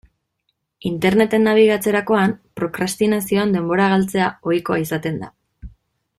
Interneten nabigatzerakoan, prokrastinazioan denbora galtzea ohikoa izaten da.